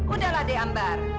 udahlah deh amber